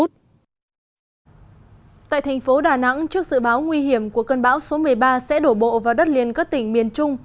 tại thành phố đà nẵng trước dự báo nguy hiểm của cơn bão số một mươi ba sẽ đổ bộ vào đất liền các tỉnh miền trung